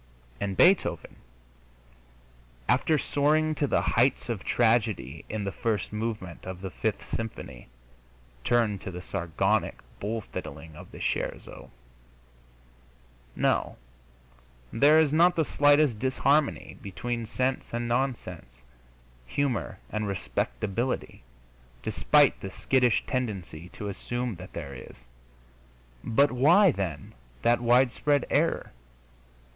And Beethoven, after soaring to the heights of tragedy in the first movement of the Fifth Symphony, turned to the sardonic bull fiddling of the scherzo. No, there is not the slightest disharmony between sense and nonsense, humor and respectability, despite the skittish tendency to assume that there is. But, why, then, that widespread error?